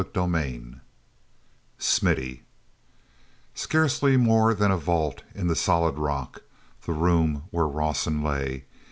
CHAPTER XXV Smithy carcely more than a vault in the solid rock, the room where Rawson lay.